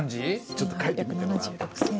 ちょっと書いてみてごらん。